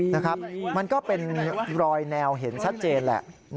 นะครับมันก็เป็นรอยแนวเห็นชัดเจนแหละ